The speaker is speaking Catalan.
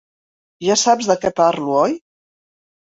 Ja saps de què parlo, oi?